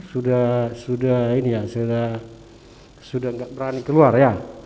sudah sudah ini ya sudah nggak berani keluar ya